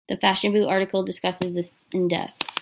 The fashion boot article discusses this in depth.